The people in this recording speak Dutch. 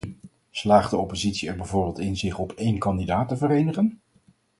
Slaagt de oppositie er bijvoorbeeld in zich op één kandidaat te verenigen?